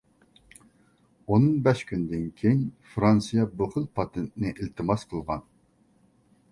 ئون بەش كۈندىن كېيىن فىرانسىيە بۇ خىل پاتېنتنى ئىلتىماس قىلغان.